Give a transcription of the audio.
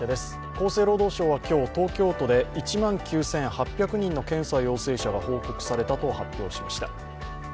厚生労働省は今日、東京都で１万９８００人の検査陽性者が報告されたと発表しました。